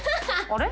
あれ？